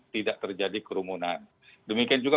tidak terjadi kerumunan demikian juga